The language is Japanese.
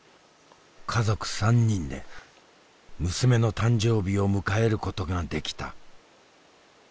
家族３人で娘の誕生日を迎えることができた。